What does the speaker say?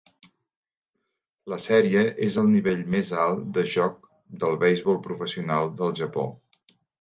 La sèrie és el nivell més alt de joc del beisbol professional del Japó.